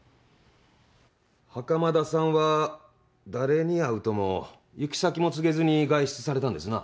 袴田さんは誰に会うとも行き先も告げずに外出されたんですな？